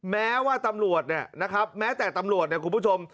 แม้ว่าตำรวจนะครับแม้แต่ตำรวจนะครับคุณผู้ชม